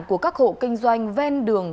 của các hộ kinh doanh ven đường